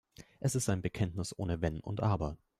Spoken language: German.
Es ist ein Bekenntnis ohne Wenn und Aber.